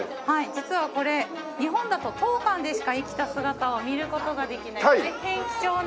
実はこれ日本だと当館でしか生きた姿を見る事ができない大変貴重な。